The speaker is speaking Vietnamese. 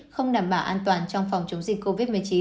không đảm bảo an toàn trong phòng chống dịch covid một mươi chín